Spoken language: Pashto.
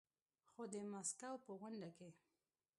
خو د ماسکو په غونډه کې